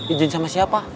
ijin sama siapa